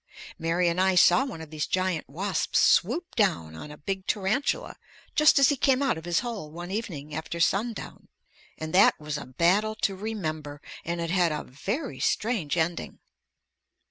Mary and I saw one of these giant wasps swoop down on a big tarantula just as he came out of his hole one evening after sundown, and that was a battle to remember, and it had a very strange ending.